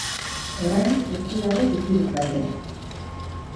Orain guzti hauek itxirik daude.